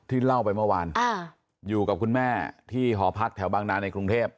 เล่าไปเมื่อวานอยู่กับคุณแม่ที่หอพักแถวบางนาในกรุงเทพ